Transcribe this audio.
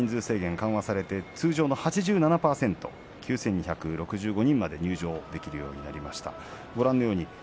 今場所は国技館の人数制限が緩和されて通常の８７％、９２６５人まで入場できるようになりました。